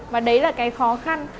và đấy là cái khó khăn